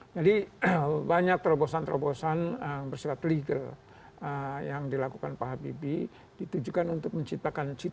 jadi banyak terobosan terobosan bersifat legal yang dilakukan pak habibie ditujukan untuk menciptakan citra